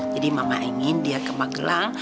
jadi mama ingin dia ke magelang